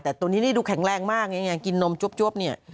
แต่ตัวนี้ดูแข็งแรงมากอย่างนี้กินนมจวบเนี่ย